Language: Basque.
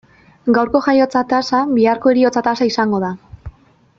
Gaurko jaiotza tasa biharko heriotza tasa izango da.